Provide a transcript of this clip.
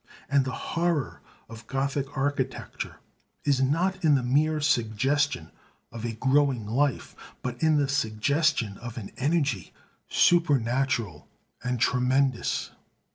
And the horror of Gothic architecture is not in the mere suggestion of a growing life, but in the suggestion of an energy supernatural and tremendous.